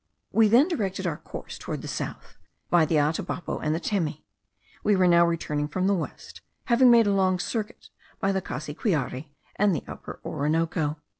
We then directed our course towards the south, by the Atabapo and the Temi; we were now returning from the west, having made a long circuit by the Cassiquiare and the Upper Orinoco.